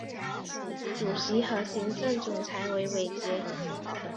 主席和行政总裁为韦杰。